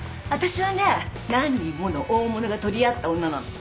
あたしはね何人もの大物が取り合った女なの。